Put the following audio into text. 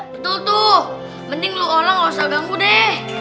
betul tuh mending lu olah gak usah ganggu deh